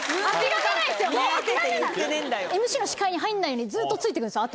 ＭＣが視界に入らないように、ずっとついてくるんですよ、後。